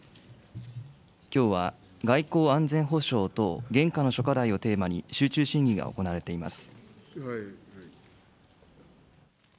きょうは外交・安全保障等現下の諸課題をテーマに、集中審議が行われています。